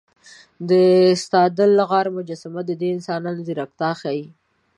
د ستادل غار مجسمه د دې انسانانو ځیرکتیا ښيي.